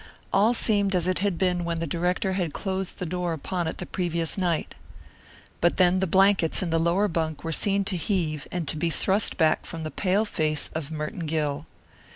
All seemed as it had been when the director had closed the door upon it the previous night. But then the blankets in the lower bunk were seen to heave and to be thrust back from the pale face of Merton Gill.